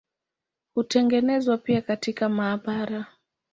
Hutengenezwa pia katika maabara.